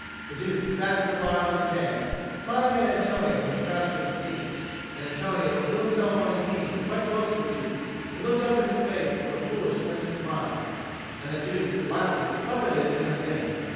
The Duke sat with the phial in his hand, smiling at Antonio who crouched at his feet. And Antonio drew himself on his knees quite close to the Duke, and looked up in his face with a foolish empty smile. And the Duke, laughing, buffeted him again.